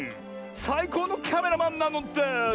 さいこうのキャメラマンなのです！